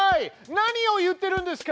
何を言ってるんですか！